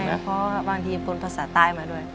เพราะบางทีปนภาษาใต้มาด้วย